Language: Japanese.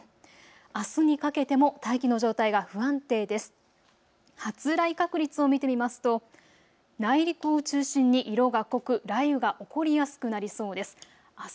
あすにかけても大気の状態が不安定です。